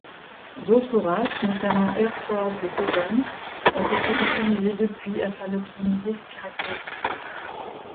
D'autres races, notamment Hereford et devon, ont été utilisées depuis afin d'optimiser ses caractéristiques.